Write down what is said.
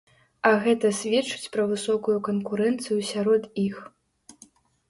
А гэта сведчыць пра высокую канкурэнцыю сярод іх.